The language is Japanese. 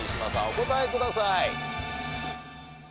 お答えください。